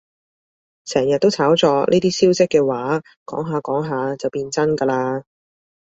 成日都炒作呢啲消息嘅話，講下講下就變成真㗎喇